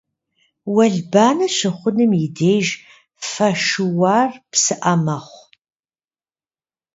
Уэлбанэ щыхъунум и деж фэ шыуар псыӏэ мэхъу.